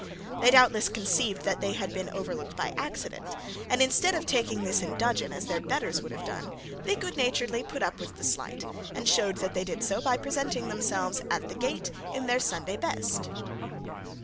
They doubtless conceived that they had been overlooked by accident; and instead of taking this in dudgeon, as their betters would have done, they good naturedly put up with the slight, and showed that they did so by presenting themselves at the gate in their Sunday best.